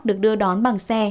được đưa đón bằng xe